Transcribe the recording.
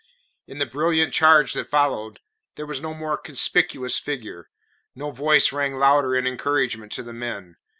In the brilliant charge that followed there was no more conspicuous figure, no voice rang louder in encouragement to the men.